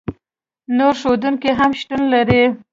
نور ښودونکي هم شتون لري.